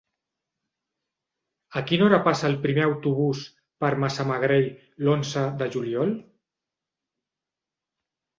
A quina hora passa el primer autobús per Massamagrell l'onze de juliol?